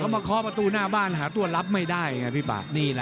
มาเคาะประตูหน้าบ้านหาตัวรับไม่ได้ไงพี่ปาก